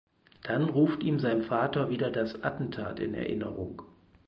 Dann ruft ihm sein Vater wieder das Attentat in Erinnerung.